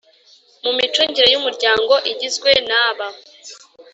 mu micungire y Umuryango Igizwe n aba